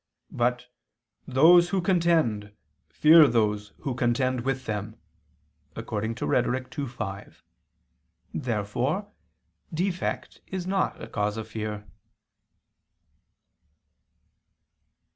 But "those who contend fear those who contend with them" (Rhet. ii, 5). Therefore defect is not a cause of fear.